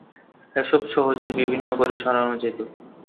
এসব সহজেই বিভিন্ন ঘরে সরানো যেত।